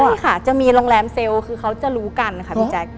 นี่ค่ะจะมีโรงแรมเซลล์คือเขาจะรู้กันค่ะพี่แจ๊ค